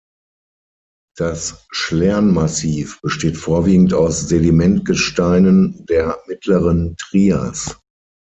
Das Schlern-Massiv besteht vorwiegend aus Sedimentgesteinen der Mittleren Trias.